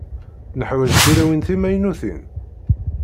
Neḥwaǧ tilawin timaynutin?